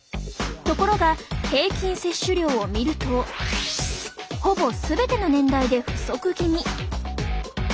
ところが平均摂取量を見るとほぼ全ての年代で不足気味！